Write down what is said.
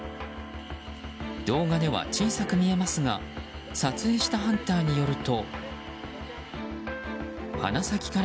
動画では小さく見えますが撮影したハンターによると。